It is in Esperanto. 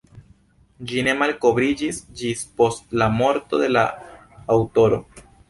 Ĝi ne malkovriĝis ĝis post la morto de la aŭtoro.